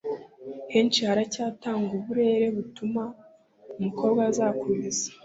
henshi haracyatangwa uburere butuma umukobwa azakomeza